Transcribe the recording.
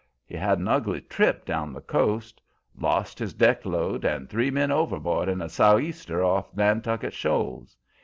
He had an ugly trip down the coast: lost his deck load and three men overboard in a southeaster off Nantucket Shoals.